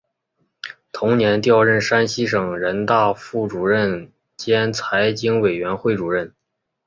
同年调任山西省人大副主任兼财经委员会主任。